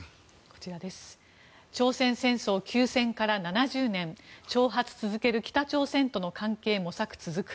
朝鮮戦争休戦から７０年挑発続ける北朝鮮との関係模索続く。